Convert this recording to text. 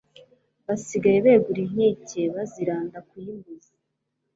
Basigaye begura inkikeBaziranda ku y' imbuzi